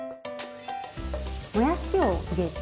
もやしを入れて。